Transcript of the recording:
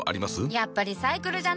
やっぱリサイクルじゃね？